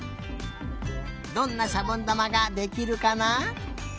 どんなしゃぼんだまができるかな？